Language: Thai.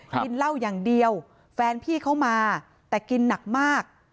กินเหล้าอย่างเดียวแฟนพี่เขามาแต่กินหนักมาก